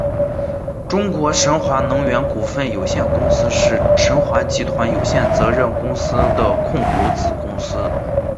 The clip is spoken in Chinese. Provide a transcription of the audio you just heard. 中国神华能源股份有限公司是神华集团有限责任公司的控股子公司。